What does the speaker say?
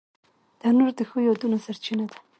تنور د ښو یادونو سرچینه ده